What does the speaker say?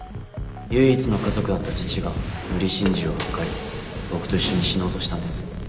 唯一の家族だった父が無理心中を図り僕と一緒に死のうとしたんです